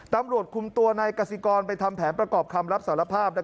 ตำรวจคุมตัวนายกสิกรไปทำแผนประกอบคำรับสารภาพ